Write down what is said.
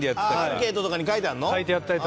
アンケートとかに書いてあるの？